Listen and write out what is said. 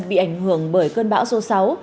bị ảnh hưởng bởi cơ sở